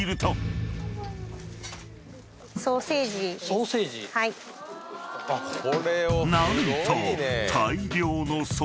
ソーセージ⁉［何と］